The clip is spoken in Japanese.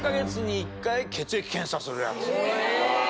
え！